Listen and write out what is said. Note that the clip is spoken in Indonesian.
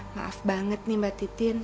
maaf banget nih mbak titin